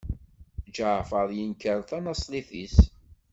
Ǧaɛfeṛ yenkeṛ tanaṣlit-is.